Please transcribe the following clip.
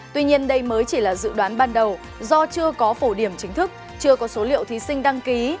tuy nhiên đây mới chỉ là dự đoán ban đầu do chưa có phổ điểm chính thức chưa có số liệu thí sinh đăng ký